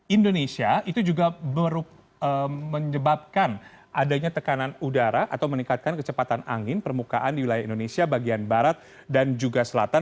indonesia itu juga menyebabkan adanya tekanan udara atau meningkatkan kecepatan angin permukaan di wilayah indonesia bagian barat dan juga selatan